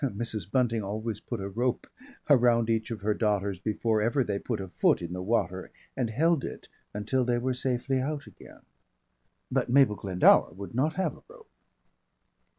(Mrs. Bunting always put a rope around each of her daughters before ever they put a foot in the water and held it until they were safely out again. But Mabel Glendower would not have a rope.)